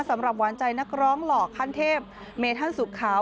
สำหรับหวานใจนักร้องหล่อขั้นเทพเมธันสุขขาว